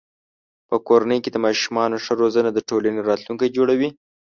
په کورنۍ کې د ماشومانو ښه روزنه د ټولنې راتلونکی جوړوي.